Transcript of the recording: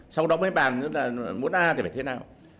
sau đó mới bàn muốn a thì phải thế nào